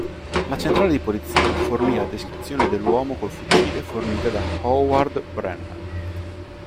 La centrale di polizia fornì la descrizione dell'uomo col fucile fornita da Howard Brennan.